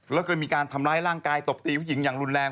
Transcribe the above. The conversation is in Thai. แล้วก็มีการทำร้ายร่างกายตบตีผู้หญิงอย่างรุนแรง